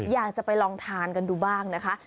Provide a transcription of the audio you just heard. อยากจะไปลองทานกันดูบ้างนะคะ